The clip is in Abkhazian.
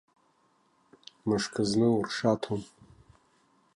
Мышкызны уршаҭом.